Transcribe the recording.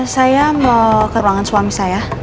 saya mau ke ruangan suami saya